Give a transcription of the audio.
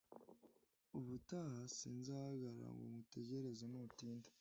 Ubutaha sinzahagarara ngo ngutegereze nutinda